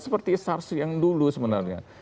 seperti sars yang dulu sebenarnya